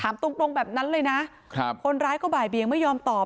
ตรงตรงแบบนั้นเลยนะครับคนร้ายก็บ่ายเบียงไม่ยอมตอบ